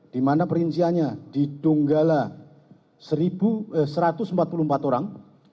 di mana perinciannya di donggala satu ratus empat puluh empat orang